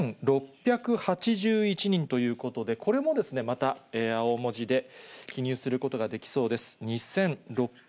２６８１人ということで、これもまた青文字で記入することができそうです。